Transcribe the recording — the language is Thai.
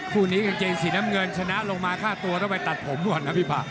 คู่นี้กางเกงสีน้ำเงินชนะลงมาฆ่าตัวต้องไปตัดผมก่อนนะพี่ผัก